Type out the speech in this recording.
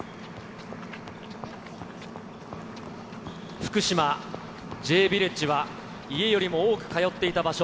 福島・Ｊヴィレッジは、家よりも多く通っていた場所。